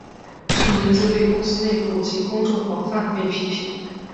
这名字被公司内部及公众广泛被批评。